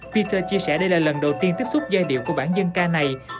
peter chia sẻ đây là lần đầu tiên tiếp xúc giai điệu của bản dân ca này